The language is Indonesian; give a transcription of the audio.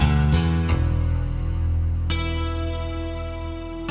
enggak kamu masih sakit